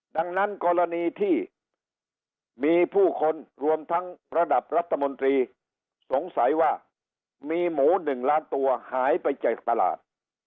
ดังนั้นกรณีที่มีผู้คนรวมทั้งระดับรัฐมนตรีสงสัยว่ามีหมู๑ล้านตัวหายไปจากตลาด